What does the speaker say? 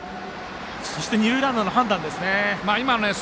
二塁ランナーの判断ですね。